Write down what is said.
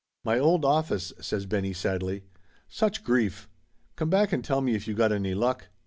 "My old office!" says Benny sadly. "Such grief! Come back and tell me if you got any luck